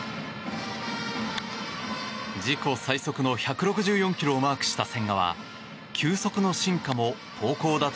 自己最速の１６４キロをマークした千賀は球速の進化も投高打